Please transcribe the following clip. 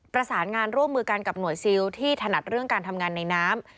ประสานงานร่วมมือกันกับหน่วยซิลที่ถนัดเรื่องการทำงานในน้ำ